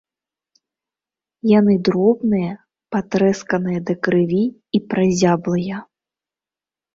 Яны дробныя, патрэсканыя да крыві і празяблыя.